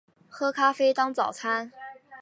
喝咖啡当早餐